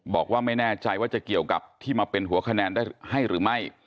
บอกว่าไม่แน่ใจว่าจะเกี่ยวกับที่มาเป็นหัวคะแนนได้ให้หรือไม่